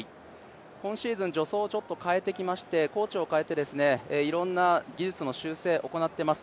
今シーズン助走を変えてきまして、コーチを変えていろんな技術の修正を行っています。